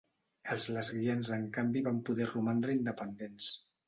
Els lesguians en canvi van poder romandre independents.